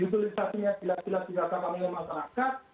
utilisasinya jelas jelas tidak terlalu banyak masyarakat